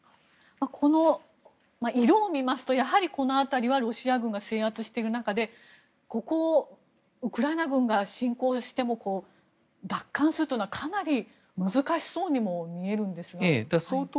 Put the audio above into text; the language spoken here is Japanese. この色を見ますとやはり、この辺りはロシア軍が制圧している中でウクライナが侵攻しても奪還するというのは、かなり難しそうにみえるんですが。